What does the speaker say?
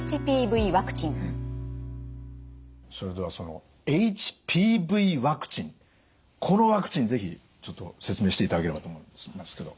それではそのＨＰＶワクチンこのワクチン是非ちょっと説明していただければと思いますけど。